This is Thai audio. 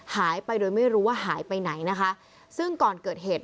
หายไปโดยไม่รู้ว่าหายไปไหนนะคะซึ่งก่อนเกิดเหตุ